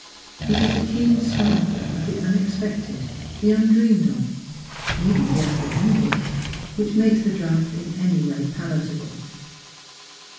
It is the keen sparkle of the unexpected, the undreamed of, even the apprehended, which makes the draught in any wise palatable.